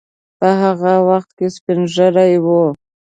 په هغه وخت کې سپین ږیری وو.